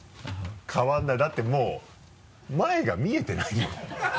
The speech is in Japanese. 変わらないだってもう前が見えてないもの。